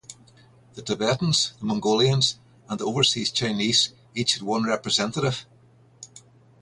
The Tibetans, the Mongolians and the overseas Chinese each had one representative.